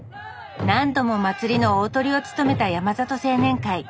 何度も祭りの大トリを務めた山里青年会。